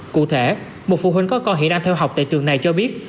cụ thể một phụ huynh có con hiện đang theo học tại trường này cho biết